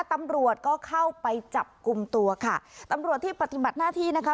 ตำรวจก็เข้าไปจับกลุ่มตัวค่ะตำรวจที่ปฏิบัติหน้าที่นะคะ